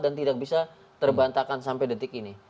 dan tidak bisa terbantahkan sampai detik ini